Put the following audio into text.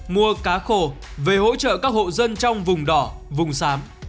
mua cá khô về hỗ trợ các hộ dân trong vùng đỏ vùng xám